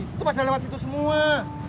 itu pada lewat situ semua